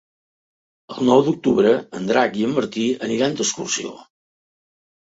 El nou d'octubre en Drac i en Martí aniran d'excursió.